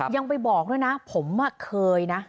ยังไปบอกด้วยนะผมเคยนะ